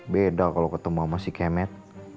beda kalau ketemu sama si kemet